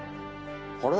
あれ？